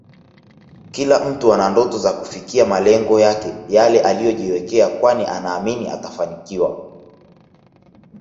Kila mtu ana ndoto za kufikia malengo yake Yale aliyojiwekea kwani anaamini atafanikiwa